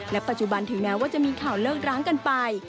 ปัจจุบันถึงแม้ว่าจะมีข่าวเลิกร้างกันไป